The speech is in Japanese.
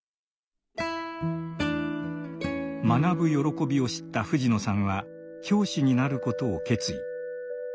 学ぶ喜びを知った藤野さんは教師になることを決意。